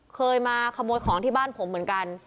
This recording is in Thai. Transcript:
เคยมาขโมยของที่บ้านผมเหมือนกัน